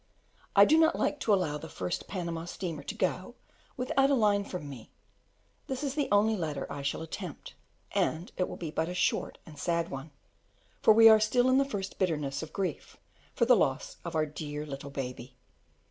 I do not like to allow the first Panama steamer to go without a line from me: this is the only letter I shall attempt, and it will be but a short and sad one, for we are still in the first bitterness of grief for the loss of our dear little baby.